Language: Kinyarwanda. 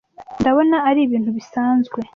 ndabona ari ibintu bisanzwe